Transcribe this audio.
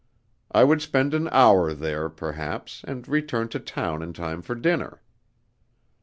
I would spend an hour there, perhaps, and return to town in time for dinner.